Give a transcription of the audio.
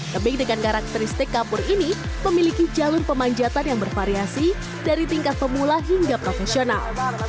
tebing dengan karakteristik kapur ini memiliki jalur pemanjatan yang bervariasi dari tingkat pemula hingga profesional